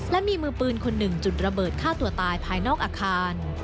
และมีมือปืนคนหนึ่งจุดระเบิดฆ่าตัวตายภายนอกอาคาร